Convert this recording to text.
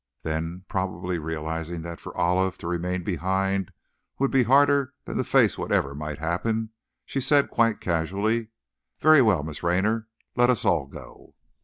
Then, probably realizing that for Olive to remain behind would be harder than to face whatever might happen, she said, quite casually, "Very well, Miss Raynor, let us all go."